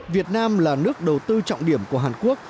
việt nam là nước đầu tư trọng điểm của hàn quốc